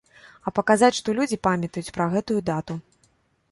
А паказаць, што людзі памятаюць пра гэтую дату.